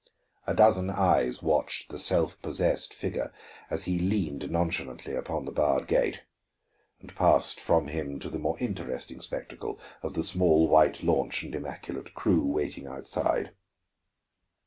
A dozen eyes watched the self possessed figure as he leaned nonchalantly upon the barred gate, and passed from him to the more interesting spectacle of the small white launch and immaculate crew waiting outside.